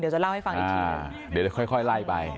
เดี๋ยวจะเล่าให้ฟังอีกที